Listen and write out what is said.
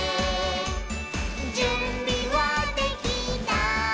「じゅんびはできた？